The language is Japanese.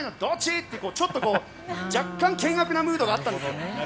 みたいなちょっと若干険悪なムードがあったんです。